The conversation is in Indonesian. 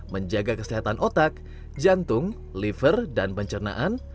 menjaga kesehatan otak jantung liver dan pencernaan